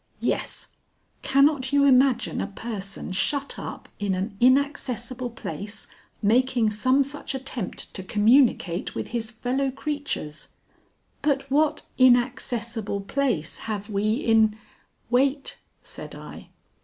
"Yes. Cannot you imagine a person shut up in an inaccessible place making some such attempt to communicate with his fellow creatures?" "But what inaccessible place have we in " "Wait," said I.